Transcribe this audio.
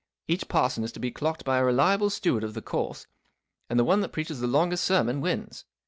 Each parson is to be clocked by a reliable steward of the course, and the one that preaches the longest sermon wins.